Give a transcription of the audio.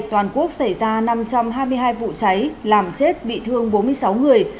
toàn quốc xảy ra năm trăm hai mươi hai vụ cháy làm chết bị thương bốn mươi sáu người